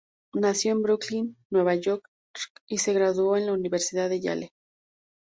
Nació en Brooklyn, Nueva York y se graduó en la Universidad de Yale.